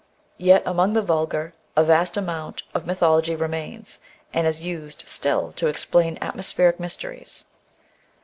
Yet among the vulgar a vast amount of mythology remains, and is used still to explain atmospheric mysteries.